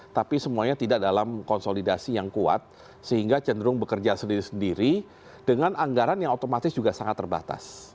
tapi semuanya tidak dalam konsolidasi yang kuat sehingga cenderung bekerja sendiri sendiri dengan anggaran yang otomatis juga sangat terbatas